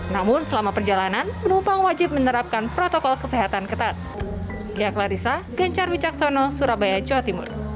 namun selama perjalanan penumpang wajib menerapkan protokol kesehatan ketat